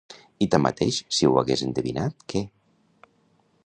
I tanmateix, si ho hagués endevinat, què?